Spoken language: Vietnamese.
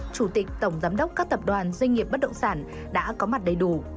chủ tịch tổng giám đốc các tập đoàn doanh nghiệp bất động sản đã có mặt đầy đủ